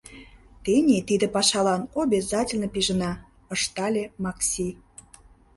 — Тений тиде пашалан обязательно пижына! — ыштале Макси.